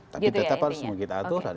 tapi tetap harus mengikuti aturan